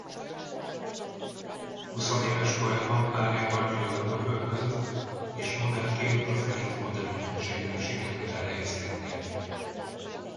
Huszonéves korában párjával New Yorkba költözött és modellként az Elite modellügynökségnél sikerült elhelyezkednie.